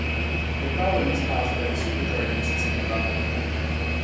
The problem was caused by the supercharging system adopted.